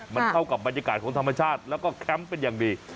มันเข้ากับบรรยากาศของธรรมชาติแล้วก็แคมป์เป็นอย่างดี